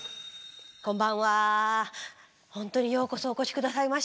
こんばんはほんとにようこそお越し下さいました。